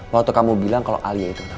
waktu kamu bilang kalau alya itu anak kamu